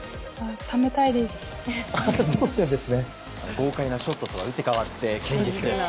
豪快なショットとは打って変わって堅実です。